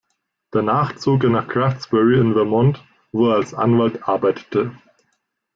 Danach zog er nach Craftsbury in Vermont, wo er als Anwalt arbeitete.